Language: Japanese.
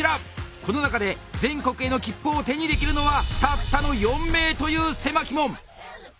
この中で全国への切符を手にできるのはたったの４名という狭き門！